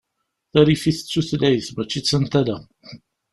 Tarifit d tutlayt mačči d tantala.